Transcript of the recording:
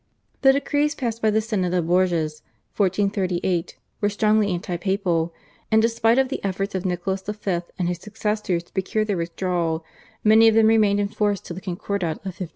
The decrees passed by the Synod of Bourges (1438) were strongly anti papal, and despite of the efforts of Nicholas V. and his successors to procure their withdrawal most of them remained in force till the Concordat of 1516.